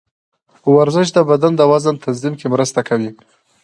ورزش د بدن د وزن تنظیم کې مرسته کوي.